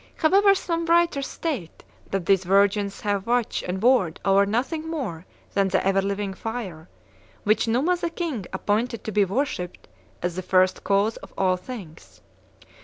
However, some writers state that these virgins have watch and ward over nothing more than the ever living fire, which Numa the King appointed to be worshipped as the first cause of all things.